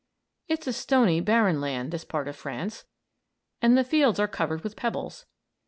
It's a stony, barren land this part of France and the fields are covered with pebbles.